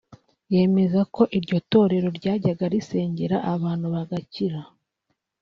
yemeza ko iryo torero ryajyaga risengera abantu bagakira